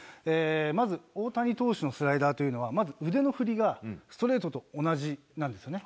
まず大谷投手のスライダーというのは、まず腕の振りがストレートと同じなんですね。